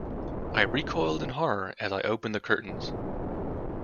I recoiled in horror as I opened the curtains.